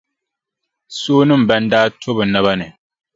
Soonima ban daa to bɛ naba ni.